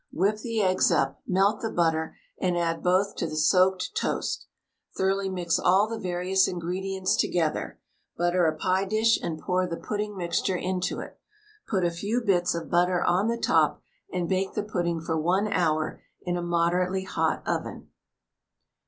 Whip the eggs up, melt the butter, and add both to the soaked toast. Thoroughly mix all the various ingredients together. Butter a pie dish and pour the pudding mixture into it; put a few bits of butter on the top, and bake the pudding for 1 hour in a moderately hot oven.